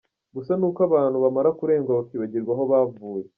Gusa ni uko abantu bamara kurengwa bakibagirwa aho bavuye.